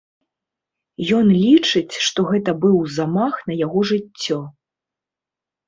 Ён лічыць, што гэта быў замах на яго жыццё.